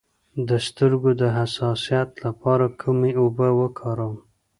د سترګو د حساسیت لپاره کومې اوبه وکاروم؟